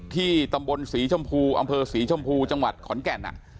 ที่ตำบลศรีชมพูอำเภอศรีชมพูจังหวัดขอนแก่น